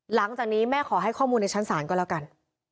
หลังจากนี้แม่ขอให้ข้อมูลในชั้นศาลก็แล้วกัน